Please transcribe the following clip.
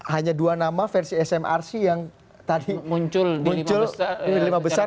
hanya dua nama versi smrc yang tadi muncul di lima besar